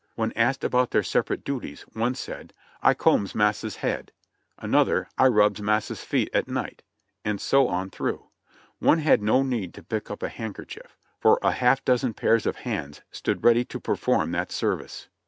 When asked about their separate duties, one said : "I combs Massa's head ;" another, "I rubs Massa's feet at night" — and so on through. One had no need to pick up a hand kerchief, for a half dozen pair of hands stood ready to perform that service.